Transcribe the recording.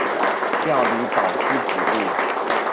調離導師職務